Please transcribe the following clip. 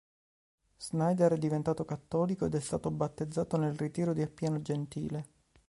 Sneijder è diventato cattolico ed è stato battezzato nel ritiro di Appiano Gentile.